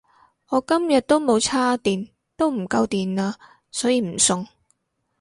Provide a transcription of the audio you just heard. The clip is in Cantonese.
我今日都冇叉電都唔夠電呀所以唔送